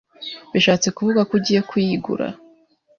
Bishatse kuvuga ko ugiye kuyigura?